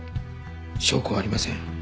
証拠はありません。